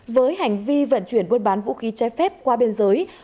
với hành vi vận chuyển buôn bán vũ khí trái phép qua biên giới